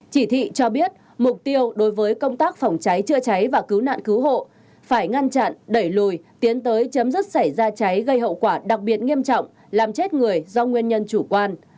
chỉ thị cho biết mục tiêu đối với công tác phòng cháy chữa cháy và cứu nạn cứu hộ phải ngăn chặn đẩy lùi tiến tới chấm dứt xảy ra cháy gây hậu quả đặc biệt nghiêm trọng làm chết người do nguyên nhân chủ quan